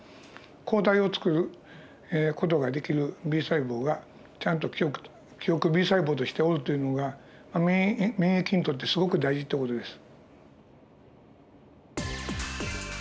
抗体をつくる事ができるＢ細胞がちゃんと記憶Ｂ細胞としておるというのが免疫にとってすごく大事って事です。